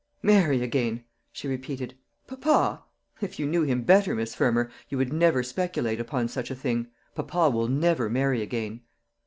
"Marry again!" she repeated, "papa! if you knew him better, Miss Fermor, you would never speculate upon such a thing. Papa will never marry again."